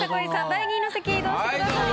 第２位の席へ移動してください。